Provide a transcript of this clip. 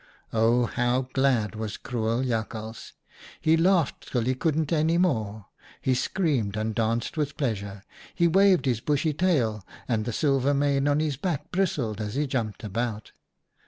" O ! how glad was cruel Jakhals ! He laughed till he couldn't any more. He screamed and danced with pleasure. He waved his bushy tail, and the silver mane on his back bristled as he jumped about.